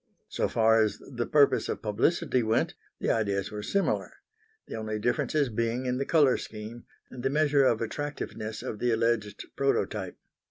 So far as the purpose of publicity went, the ideas were similar; the only differences being in the colour scheme and the measure of attractiveness of the alleged prototype.